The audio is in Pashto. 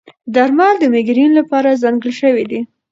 درمل د مېګرین لپاره ځانګړي شوي دي.